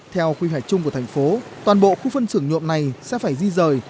theo quy hoạch chung của thành phố toàn bộ khu phân xưởng nhuộm này sẽ phải di rời